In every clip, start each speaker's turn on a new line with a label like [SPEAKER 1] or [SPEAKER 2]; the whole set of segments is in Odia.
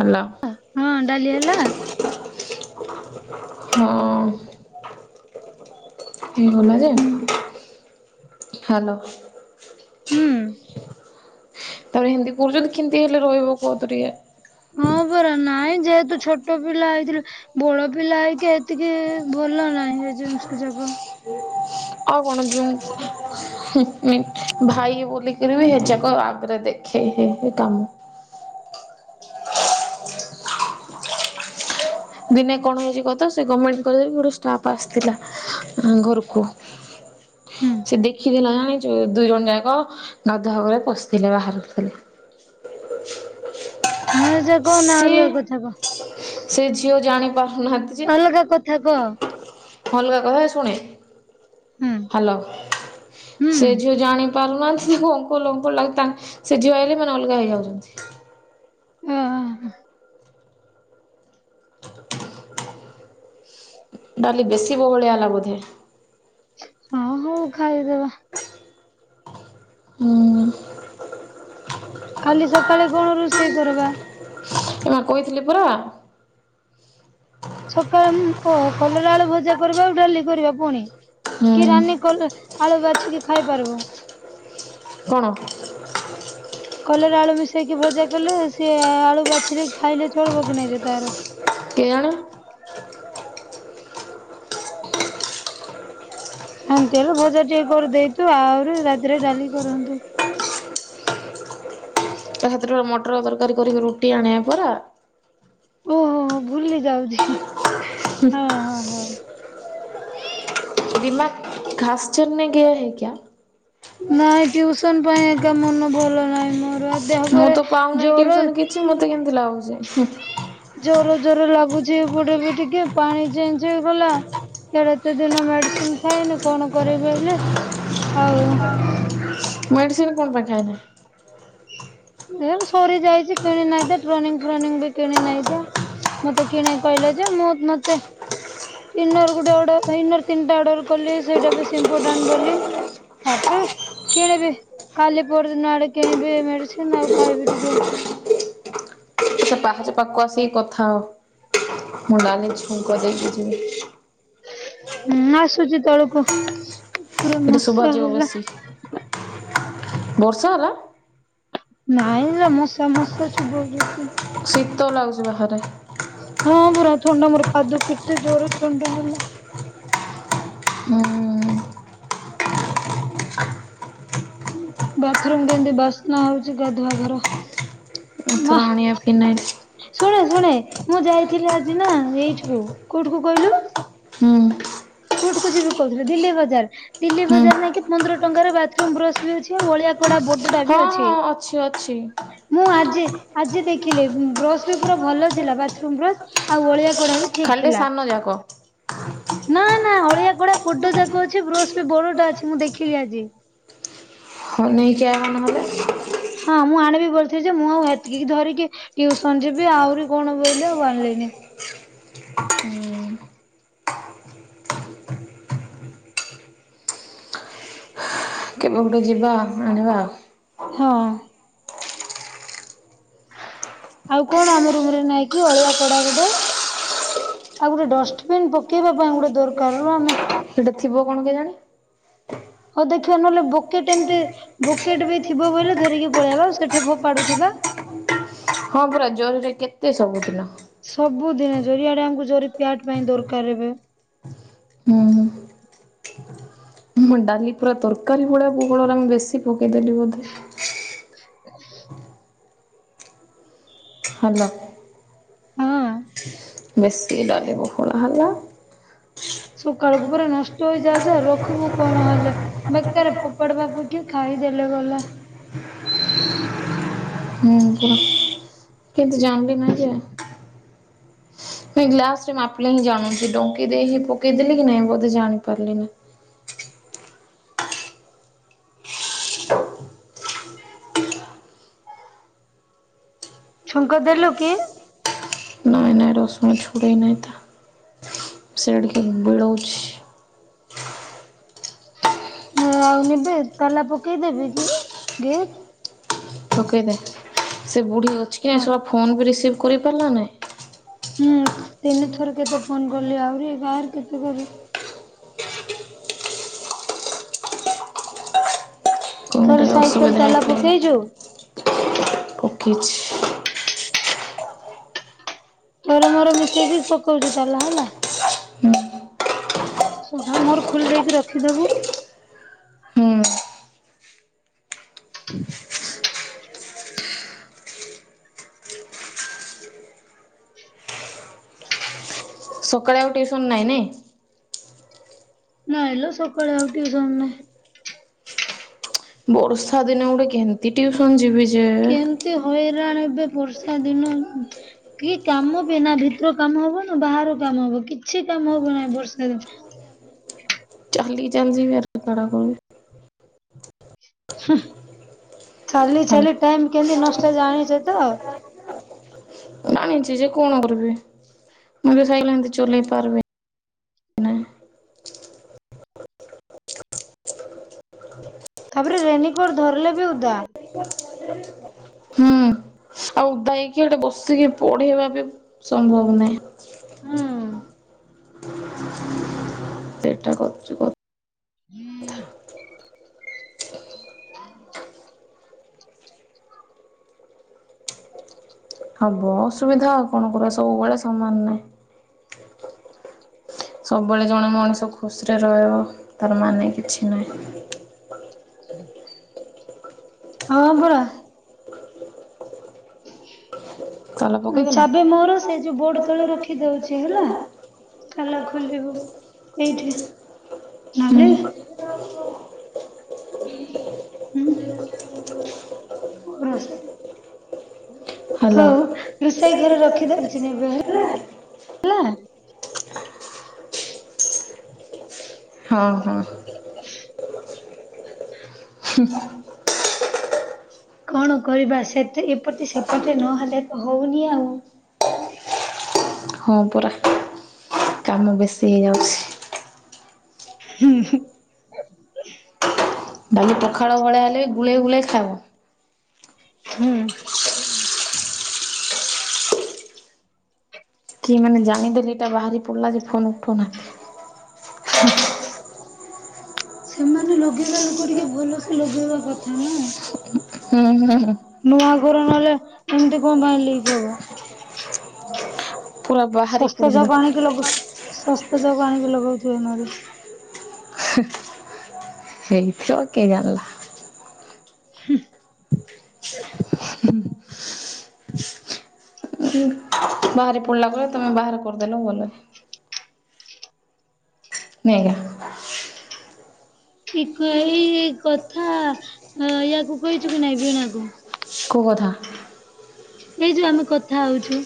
[SPEAKER 1] ହାଲୋ।
[SPEAKER 2] ହଁ ଡାଲି ହେଲା?
[SPEAKER 1] ହଁ। ହେଇ ଗଲା ଯେ
[SPEAKER 2] ହୁଁ
[SPEAKER 1] ହ୍ୟାଲୋ।
[SPEAKER 2] ହୁଁ
[SPEAKER 1] ତମେ ହିନ୍ଦୀ କରୁଛନ୍ତି କେମିତି ହେଲେ ରହିବ କୁହତ ଟିକେ।
[SPEAKER 2] ହଁ ପରା ନାଇଁ ଯେହେତୁ ଛୋଟ ପିଲା ହେଇଥିଲା ବଡ ପିଲା ହେଇକି ଏତିକି ଭଲ ନାହିଁ ଏ ଜିନିଷ ଯାକ।
[SPEAKER 1] ଆଉ କଣ ଯଉ ଭାଇ ବୋଲିକରି ବି ହେଯାକ ଆଗରେ ଦେ। ହେଇ ହେଇକି କାମ।
[SPEAKER 2] [inaudible] [inaudible]
[SPEAKER 1] ଦିନେ କଣ ହେଇଛି କହ ତ ସେ ଗମେଣ୍ଟ କଲେଜରେ ଗୋଟେ ଷ୍ଟାଫ ଆସିଥିଲା ଘରକୁ।
[SPEAKER 2] ହୁଁ।
[SPEAKER 1] ସେ ଦେଖିଥିଲା ଜାଣିଚୁ ଦୁଇ ଜଣ ଯାକ ଗାଧୁଆ ଘରେ ପଶିଥିଲେ ବାହାରୁଥିଲେ।
[SPEAKER 2] [inaudible] ହଁ ସେ କହନା
[SPEAKER 1] ସିଏ
[SPEAKER 2] ଅଲଗା କଥା କହ
[SPEAKER 1] ସେ ଝିଅ ଜାଣି ପାରୁନାହାନ୍ତି। ଯେ
[SPEAKER 2] ଅଲଗା କଥା କହ।
[SPEAKER 1] ଅଲଗା କଥା ଶୁଣେ
[SPEAKER 2] ହୁଁ
[SPEAKER 1] ହ୍ୟାଲୋ ସେ
[SPEAKER 2] ହୁଁ
[SPEAKER 1] ଝିଅ ଜାଣି ପାରୁନାହାନ୍ତି ତାଙ୍କୁ ଅଙ୍କଲ ଅଙ୍କଲ ଡାକୁ ତାଙ୍କ ସେ ଝିଅ ହେଲେ ମାନେ ଅଲଗା ହେଇଯାଉଛନ୍ତି।
[SPEAKER 2] ଓହୋ।
[SPEAKER 1] ଡାଲି ବେଶୀ ବହଳିଆ ହେଲା ବୋଧେ?
[SPEAKER 2] ହଁ ହଉ ଖାଇଦବା।
[SPEAKER 1] ହୁଁ।
[SPEAKER 2] କାଲି ସକାଳେ କଣ ରୁଷେଇ କରବା?
[SPEAKER 1] ଏ ମା କହିଥିଲି ପରା। [inaudible]
[SPEAKER 2] ସକାଳେ କଲରା ଆଳୁ ଭଜା କରିବା ଆଉ ଡାଲି କରିବା ପୁଣି କି
[SPEAKER 1] ହୁଁ
[SPEAKER 2] ରାନୀ କ ଆଳୁ ବାଛି କିି ଖାଇ ପାରିବ?
[SPEAKER 1] କଣ?
[SPEAKER 2] କଲରା ଆଳୁ ମିଶେଇକି ଭଜା କଲେ ସିଏ ଆଳୁ ବାଛିିଲେ ଖାଇଲେ ଚଳବକି ନାହିଁ ଯେ ତାର?
[SPEAKER 1] କେୟାଣି।
[SPEAKER 2] ଏମିତି ହେଲେ ଭଜା ଟିକେ କରିଦେଇତୁ ଆହୁରି ରାତିରେ ଡାଲି କରନ୍ତୁ।
[SPEAKER 1] ତା ହାତରେ ମଟର ତରକାରୀ କରିକି ରୁଟି ଆଣିବା ପରା।
[SPEAKER 2] ଓହୋ ହୋ ଭୁଲି ଯାଉଛି।
[SPEAKER 1] ହୁଁ।
[SPEAKER 2] ହଁ ହଁ ହଁ।
[SPEAKER 1] ଦିମାଗ ଘାସ ଚରନେ ଗୟା ହେ କ୍ୟା?
[SPEAKER 2] ନାଇଁ ଟ୍ୟୁସନ ପାଇଁ ଏକା ମନ ଭଲ ନାହିଁ ମୋର ଆ ଦେହ
[SPEAKER 1] ମୁଁ
[SPEAKER 2] ପରେ
[SPEAKER 1] ତ ପାଉନାହିଁ
[SPEAKER 2] ଜର
[SPEAKER 1] ଟିଉସନ କିଛି ମତେ କେମତି ଲାଗୁଛି?
[SPEAKER 2] ଜର ଜର ଲାଗୁଛି ଏପଟେ ବି ଟିକେ ପାଣି ଚେଞ୍ଜ ହେଇଗଲା। ଇଆଡ଼େ ଏତେ ଦିନ ମେଡିସିନ ଖାଇନି କଣ କରିବି ହେଲେ ଆଉ
[SPEAKER 1] ମେଡିସିନ କଣ ପାଇଁ ଖାଇନା?
[SPEAKER 2] ଏ ସରି ଯାଇଛି କିଣି ନାହିଁ ତ ଟ୍ରନିଙ୍ଗ ଫନିଙ୍ଗ ବି କିଣି ନାଇଁ ତ? ମତେ କିଣିବାକୁ କହିଲେ ଯେ ମୁଁ ମତେ ଇନର୍ ଗୋଟେ ଅର ଇନର ତିନଟା ଅର୍ଡର କଲି ସେଇଟା ବି ଇମ୍ପୋଟାଣ୍ଟ ବୋଲି। ତାପରେ କିଣିବି କାଲି ପର ଦିନ ଆଡେ କିଣିବି ମେଡିସିନ ଆଉ ଖାଇବି ଟିକେ।
[SPEAKER 1] ସେ ପାହାଚ ପାଖକୁ ଆସିକି କଥା ହ ମୁଁ ଡାଲି ଛୁଙ୍କ ଦେଇକି ଯିବି।
[SPEAKER 2] ମୁଁ ଆସୁଛି ତଳକୁ ଉପରେ
[SPEAKER 1] ଏଠି
[SPEAKER 2] ମସା
[SPEAKER 1] ଶୁଭାଯିବ
[SPEAKER 2] ହେଲା।
[SPEAKER 1] ବେଶୀ ବର୍ଷା ହେଲା।
[SPEAKER 2] ନାଇଁ ଲୋ ମୁଶା ମୁସି ଚୁବଉ ଛନ୍ତି।
[SPEAKER 1] ଶୀତ ଲାଗୁଛି ବାହାରେ।
[SPEAKER 2] ହଁ ପରା ଥଣ୍ଡା ମୋର ପାଦ ପିଟେ ଜୋର ଥଣ୍ଡା ହେଲା।
[SPEAKER 1] ହୁଁ।
[SPEAKER 2] ବାଥରୁମ କେମତି ବାସ୍ନା ହଉଛି ଗାଧୁଆ ଘର। ମା
[SPEAKER 1] ଏଥର ଆଣିବା ଫିନାଇଲ।
[SPEAKER 2] ଶୁଣେ ଶୁଣେ ମୁଁ ଯାଇଥିଲି ଆଜି ନା ଏଇଠିକୁ କୋଉଠିକୁ କହିଲୁ?
[SPEAKER 1] ହୁଁ।
[SPEAKER 2] କୋଉଠି କୁ ଯିବି କହୁଥିଲୁ ଦିଲ୍ଲୀ ବଜାର। ଦିଲ୍ଲି
[SPEAKER 1] ହୁଁ
[SPEAKER 2] ବଜାର ନାଇଁ କି ପନ୍ଦର ଟଙ୍କାର ବାଥରୁମ ବ୍ରଶ ବି ଅଛି। ଆଉ ଅଳିଆ କଡା ବଡଟା
[SPEAKER 1] ହଁ
[SPEAKER 2] ବି ଅଛି।
[SPEAKER 1] ହଁ ଅଛି ଅଛି।
[SPEAKER 2] ମୁଁ ଆଜି ଆଜି ଦେଖିଲି ବ୍ରଶ ବି ପୁରା ଭଲ ଥିଲା ବାଥରୁମ ବ୍ରଶ୍। ଆଉ ଅଳିଆ କଢା ବି ଠିକ୍ ଥିଲା।
[SPEAKER 1] ମଜାକ।
[SPEAKER 2] ନା ନା ଅଳିଆ କଡା ବଡ ଯାକ ଅଛି। ବ୍ରସ୍ ବି ବଡଟା ଅଛି ମୁଁ ଦେଖିଲି ଆଜି।
[SPEAKER 1] ହ ନେଇକି ଆ ନହେଲେ।
[SPEAKER 2] ହଁ ମୁଁ ଆଣିବି ବୋଲଚ୍ଛି ଯେ ମୁଁ ଏତିକି କି ଧରିକି ଟିଉସନ ଯିବି ଆହୁରି କଣ ବହିଲେ ଆଉ ଆଣିଲିନି।
[SPEAKER 1] ହୁଁ। କେବେ ଗୋଟେ ଯିବା ଆଣିବା।
[SPEAKER 2] ହଁ। ଆଉ କଣ ଆମ ରୁମ ରେ ନାଇଁ କି ଅଳିଆ କଡା ଗୋଟେ। ଆଉ ଗୋଟେ ଡଷ୍ଟବିନ ପକେଇବା ପାଇଁ ଗୋଟେ ଦରକାର ରମ ରେ
[SPEAKER 1] ସେଠି ଥିବ କଣ କେଜାଣି।
[SPEAKER 2] ହଉ ଦେଖିବା ନହେଲେ ବୋକେଟ ଏମିତି ବକେଟ ବି ଥିବ ବୋଇଲେ ଧରିକି ପଳେଇବା ସେଠି ଫୋପାଡୁଥିବା।
[SPEAKER 1] ହଁ ପରା ଜରିରେ କେତେ ସବୁଦିନ
[SPEAKER 2] ସବୁଦିନ ଜରି ଆଡେ ୟାଙ୍କୁକୁ ଜରି ପିଆଟ ପାଇଁ ଦରକାର ଏବେ।
[SPEAKER 1] ହୁଁ। ଉଁ ଡାଲି ପୁରା ତରକାରୀ ଭଳିଆ ବହଳ ହେଲା ଆ ମୁ ବେଶୀ ପକେଇଦେଲି ବୋଧେ।
[SPEAKER 2] ଆ [inaudible]
[SPEAKER 1] ହ୍ୟାଲୋ।
[SPEAKER 2] ହଁ।
[SPEAKER 1] ବେଶି ଡାଲି ବହଳା ହେଲା।
[SPEAKER 2] ସକାଳକୁ ପୁରା ନଷ୍ଟ ହେଇଯାଉଛି ଆଉ ରଖମୁ କଣ ହେଲେ। ବେକାର ଫୋପଡ଼ବାକୁ କିଏ ଖାଇଦେଲେ ଗଲା।
[SPEAKER 1] ହୁଁ ପୁରା କେମତି ଜାଣିଲି ନାଁହିଁ ଯେ ନାଇଁ ଗ୍ଲାସ ରେ ମାପିଲେ ହିଁ ଜାଣୁଛି। ଡଙ୍କି ଦେଇ ହିଁ ପକେଇଦେଲେ କି ନାଇଁ ବୋଧେ ଜାଣିପାରିଲିନି।
[SPEAKER 2] ଛୁଙ୍କ ଦେଲୁ କି?
[SPEAKER 1] ନାଇଁ ରସୁଣ ଛୁଡ଼ାଇନାହିଁ ତ ସିଆଡେ କିଏ ବିଳଉଛି।
[SPEAKER 2] ନେ ଆଉ ନେବେ ତାଲା ପକେଇଦେବି କି ଗେଟ୍।
[SPEAKER 1] ପକେଇ ଦେ ସେ ବୁଢୀ ଅଛି କି
[SPEAKER 2] ହଁ
[SPEAKER 1] ନାଇଁ ସ ଲା ଫୋନ ବି ରିସିଭ୍ କରି ପାରିଲା ନାହିଁ।
[SPEAKER 2] ହୁଁ ତିନି ଥର କେତେ ଫୋନ କଲି ଆହୁରି, ବାହାର କେତେ କରିବ।
[SPEAKER 1] କ'ଣ ଗୋଟେ
[SPEAKER 2] ତୋର ସାଇକେଲ
[SPEAKER 1] ଅସୁବିଧା
[SPEAKER 2] ତାଲା
[SPEAKER 1] ହେଇଥିଲା
[SPEAKER 2] ପକେଇଛୁ।
[SPEAKER 1] ପକେଇଛି।
[SPEAKER 2] ତର ମୋର ମିଶେଇକି ପକଉଛି ତାଲା ହେଲା। ସକାଳୁ ମୋର ଖୁଲ ଦେଇକି ରଖିଦବୁ।
[SPEAKER 1] ହୁଁ ସକାଳେ ଆଉ ଟ୍ୟୁସନ ନାହିଁ ନାଇଁ।
[SPEAKER 2] ନାଇଁଲୋ ସକାଳେ ଆଉ ଟ୍ୟୁସନ ନାଇଁ।
[SPEAKER 1] ବର୍ଷା ଦିନେ ଗୋଟେ କେମତି ଟିଉସନ ଯିବି ଯେ
[SPEAKER 2] ଏତେ ହଇରାଣ ଏବେ ବର୍ଷା ଦିନ। କି କାମ ବି ନା ଭିତର କାମ ହବ ନା ବାହାର କାମ ହବ କିଛି କାମ ହବ ନାହିଁ ବର୍ଷା ଦିନ।
[SPEAKER 1] ଚାଲି [unintelligible]
[SPEAKER 2] ହମ୍ ଚାଲି ଚାଲି
[SPEAKER 1] ହେଲା
[SPEAKER 2] ଟାଇମ କେମିତି ନଷ୍ଟ ଜାଣିଛେ ତ?
[SPEAKER 1] ଜାଣିଛି ଯେ କଣ କରିବି ମୁଁ ବି ସାଇିକେଲ ଏମିତି ଚଲେଇ ପାରିବି ନାହିଁ
[SPEAKER 2] ତାପରେ ରେନିକୋଟ୍ ଧରିଲେ ବି ଉଦା।
[SPEAKER 1] [inaudible] ଇକି ହେଠେ ବସିକି ପଢ଼େବା ବି ସମ୍ଭବ ନାଇଁ।
[SPEAKER 2] [inaudible]
[SPEAKER 1] [unintelligible]
[SPEAKER 2] [unintelligible]
[SPEAKER 1] ହବ ଅସୁବିଧା ଆଉ କଣ କ--ବା, ସବୁବଳେ ସମାନ୍‌ ନାହିଁ। ସ--ବଳେ ଜଣେ ମଣିଷ ଖୁ--ରେ ରହିବ, ତା'ର ମାନେ କିଛି ନାହିଁ।
[SPEAKER 2] ହଁ, ପରା।
[SPEAKER 1] ତାଲା ପକେଇଦେଲୁ?
[SPEAKER 2] ଚାବି ମୋର ସେ ଯଉ ବୋ ତ ରଖି ଦଉଚି ହେଲା। ତାଲା ଖୁଲିବ ଏଇଠେ।
[SPEAKER 1] [inaudible] [unintelligible]
[SPEAKER 2] [unintelligible]
[SPEAKER 1] ହ୍ୟାଲୋ
[SPEAKER 2] [inaudible]
[SPEAKER 1] ହଁ ହଁ।
[SPEAKER 2] କ'ଣ କରିବା, ସେ ଏପ ସେପଟେ ନହେଲେ ତ ହଉନି ଆଉ।
[SPEAKER 1] [unintelligible]
[SPEAKER 2] [inaudible]
[SPEAKER 1] ଡ଼ାଲି ପଖାଳ ଭଳିଆ ହେଲେ ବି ଗୁଳେଇ ଗୁଳେଇ ଖା--ବୁ।
[SPEAKER 2] ହୁଁ।
[SPEAKER 1] କିଏ ମାନେ ଜାଣି ଦେଲେ ଏ--ଟା ବାହାରି ପଡ୍‌ଲା ଯେ ଫୋନ୍‌ ଉଠଉ ନାହାନ୍ତି।
[SPEAKER 2] ମାନେ ଲଗେଇବା ଲୁକ ଟିକେ ଭଲ ସେ ଲଗେଇବା କଥା
[SPEAKER 1] ହୁଁ ହୁଁ
[SPEAKER 2] ନା।
[SPEAKER 1] ହୁଁ
[SPEAKER 2] ନୂଆ ଘରେ ନହେଲେ ଏମିତି କଣ ପାଇଁ ଲିକ୍ ହବ
[SPEAKER 1] [unintelligible]
[SPEAKER 2] ଶସ୍ତା ଯାକ ଆଣିକି ଲଗ ଶସ୍ତା ଯାକ ଆଣିକି ଲଗଉଥିବେ ନହେଲେ।
[SPEAKER 1] [unintelligible] [unintelligible]
[SPEAKER 2] [inaudible]
[SPEAKER 1] [inaudible] [unintelligible]
[SPEAKER 2] ଠିକୁ ଏଇ କଥା, ୟାକୁ କହିଚୁ କି ନାଇଁ ବୀଣା କୁ।
[SPEAKER 1] କଉ କଥା?
[SPEAKER 2] ଏଇ ଯଉ ଆମେ କଥା ହଉଚୁ।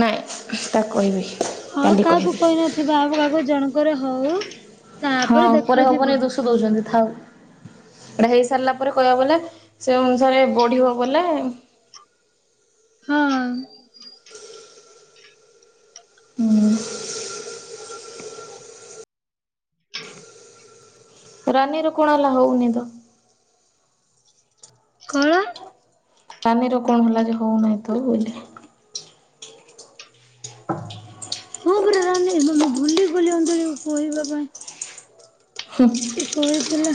[SPEAKER 1] ନାଇଁ, ତାକୁ କହିବି। କାଲି
[SPEAKER 2] କାହାକୁ
[SPEAKER 1] କହିବି।
[SPEAKER 2] କହିନଥିବା, ଜଣଙ୍କରେ ହଉ
[SPEAKER 1] ହଁ
[SPEAKER 2] ତା'ପରେ ଦେଖାଯିବ।
[SPEAKER 1] [inaudible] ଏଟା ହେଇ ସାର୍ଲା ପରେ କହିବା ଲେ, ସେ ଅନୁସାରେ ବଢ଼ିବ ବଲେ।
[SPEAKER 2] ହଁ!
[SPEAKER 1] [inaudible] ରାନୀର କ'ଣ ହେଲା? ହଉନି ତ।
[SPEAKER 2] [inaudible]
[SPEAKER 1] ରାନୀର କ'ଣ ହେଲା ଯେ ହଉ ନାଇଁ, ତ ହ [unintelligible]
[SPEAKER 2] ମୁଁ ପରା ରାନୀ, ବେ ମୁଁ ଭୁଲି ଗଲି ଅଞ୍ଚଳି କୁ କହିବା ପାଇଁ। କହିଥିଲା।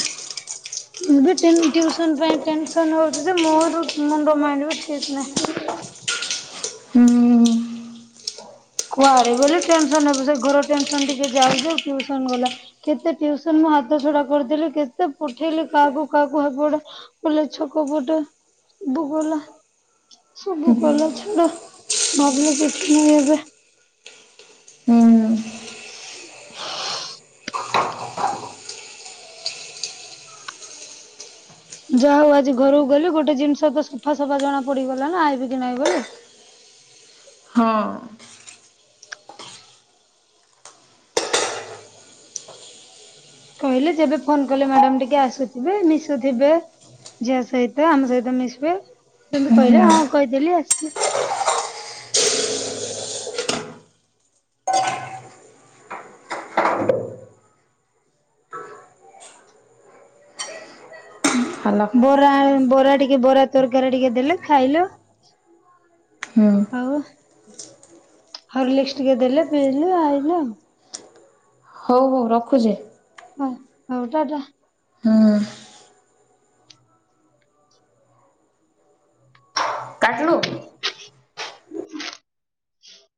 [SPEAKER 2] ମୁଁ ବି ଟିନ୍ ଟିଉସନ୍‌ ପାଇଁ ଟେନସନ୍‌ ହଉଚି ଯେ, ମୋର ମୁଣ୍ଡ ମାଇଣ୍ଡି ବି ଠିକ୍ ନାହିଁ।
[SPEAKER 1] ହୁଁ
[SPEAKER 2] କୁଆଡ଼େ ବୋଲି ଟେନସନ୍, ସେ ଘର ଟେନ୍‌ସନ୍ ଟିକେ----ଟିଉସନ୍ ଗଲା। କେତେ ଟିଉସନ୍‌ ମୁଁ ହାତ ଛଡ଼ା କର୍ଦେଲି। କେତେ ପଠେଇଲି କାଆକୁ କାଆକୁ [inaudible] ସବୁ ଗଲା ଛାଡ ଭାବିଲେ କିଛି ନାହିଁ ଏବେ।
[SPEAKER 1] ହୁଁ
[SPEAKER 2] [inaudible] ଯାହା ହଉ ଆଜି ଘରକୁ ଗଲି ଗୋଟେ ଜିନିଷ ତ ସଫା ସଫା ଜଣା ପଡିଗଲା ନା ଆବି କି ନାହିଁ ବୋଲି।
[SPEAKER 1] ହଁ।
[SPEAKER 2] କହିଲେ ଯେବେ ଫୋନ କଲେ ମ୍ୟାଡାମ ଟିକେ ଆସୁଥିବେ ମିଶୁଥିବେ। ଝିଅ ସହିତ ଆମ ସହିତ ମିଶିବେ ସେମତି
[SPEAKER 1] ହୁଁ
[SPEAKER 2] କହିଲେ ହଁ କହିଦେଲି ଆସିବେ। [unintelligible] ହଁ।
[SPEAKER 1] ହାଲକ୍।
[SPEAKER 2] ବରା ବରା ଟିକେ ବରା ତରକାରୀ ଟିକେ ଦେଲେ ଖାଇଲ
[SPEAKER 1] ହୁଁ
[SPEAKER 2] ଆଉ ହଲିକ୍ସ୍ ଟିକେ ଦେଲେ ପିଇଲୁ ଆଇଲୁ ଆଉ
[SPEAKER 1] ରଖୁଛେ।
[SPEAKER 2] ହଁ ହଉ ଟା ଟା।
[SPEAKER 1] ହୁଁ କାଟିଲୁ।
[SPEAKER 2] [unintelligible]